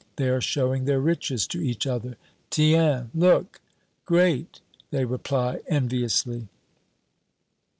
They are showing their riches to each other. "Tiens, look!" "Great!" they reply enviously.